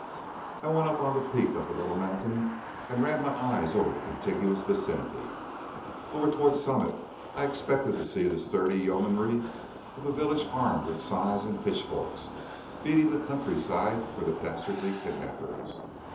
I went up on the peak of the little mountain and ran my eye over the contiguous vicinity. Over toward Summit I expected to see the sturdy yeomanry of the village armed with scythes and pitchforks beating the countryside for the dastardly kidnappers.